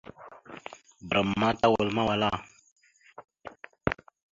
Bəram ma tawal mawala.